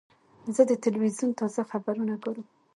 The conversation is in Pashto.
زه د تلویزیون تازه خبرونه ګورم.